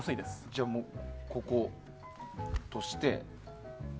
じゃあ、もうこことして。